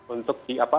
untuk di apa